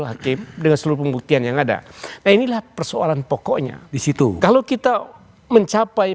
hakim dengan seluruh pembuktian yang ada nah inilah persoalan pokoknya disitu kalau kita mencapai